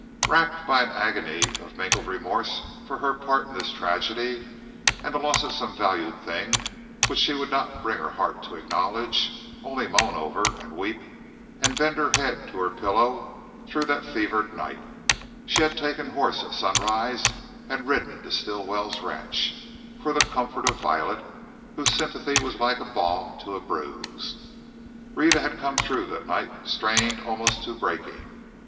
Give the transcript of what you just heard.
Racked by an agony of mingled remorse for her part in this tragedy and the loss of some valued thing which she would not bring her heart to acknowledge, only moan over and weep, and bend her head to her pillow through that fevered night, she had taken horse at sunrise and ridden to Stilwell's ranch, for the comfort of Violet, whose sympathy was like balm to a bruise. Rhetta had come through the night strained almost to breaking.